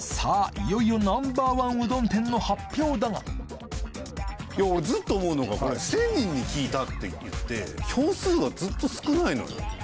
いよいよナンバーワンうどん店の発表だがいや俺ずっと思うのがこれ「１０００人に聞いた」って言って票数がずっと少ないのよ。